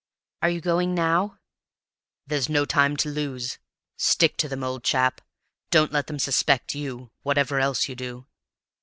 "Are you going now?" "There's no time to lose. Stick to them, old chap; don't let them suspect YOU, whatever else you do."